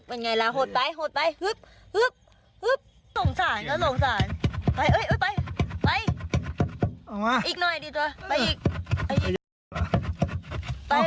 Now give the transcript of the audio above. มานี่ล่ะโหดไปโหดไป